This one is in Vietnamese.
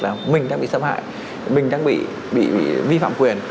là mình đang bị xâm hại mình đang bị vi phạm quyền